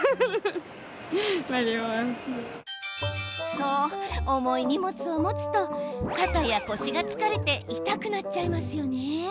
そう、重い荷物を持つと肩や腰が疲れて痛くなっちゃいますよね。